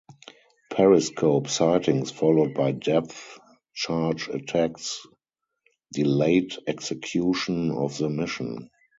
Periscope sightings followed by depth charge attacks delayed execution of the mission.